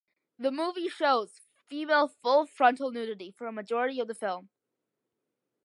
The movie shows female full frontal nudity for a majority of the film.